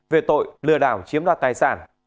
về tội lừa đảo chiếm đoạt tài sản